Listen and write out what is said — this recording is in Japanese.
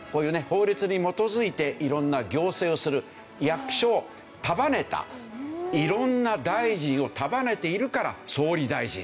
法律に基づいて色んな行政をする役所を束ねた色んな大臣を束ねているから総理大臣。